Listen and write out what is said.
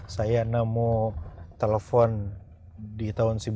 saya nemu telepon di tahun seribu sembilan ratus sembilan puluh